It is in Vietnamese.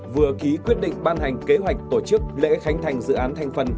vừa ký quyết định ban hành kế hoạch tổ chức lễ khánh thành dự án thành phần